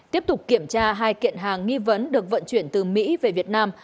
tiếp tục kiểm tra hai kiện hàng nghi vấn được vận chuyển từ mỹ về việt nam